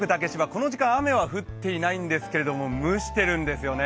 この時間は雨が降っていないんですけど蒸してるんですよね。